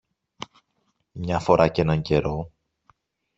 Μια φορά κι έναν καιρό